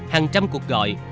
hàng trăm cuộc gọi